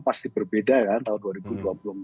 pasti berbeda ya kan tahun dua ribu dua puluh empat